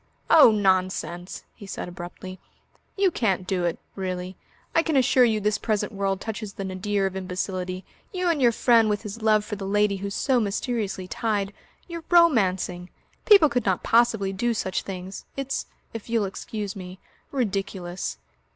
"Oh, nonsense!" he said abruptly. "You can't do it really. I can assure you this present world touches the nadir of imbecility. You and your friend, with his love for the lady who's so mysteriously tied you're romancing! People could not possibly do such things. It's if you'll excuse me ridiculous.